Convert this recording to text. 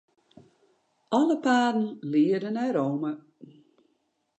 Alle paden liede nei Rome.